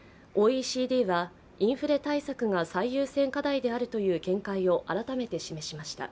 ＯＥＣＤはインフレ対策が最優先課題であるという見解を改めて示しました。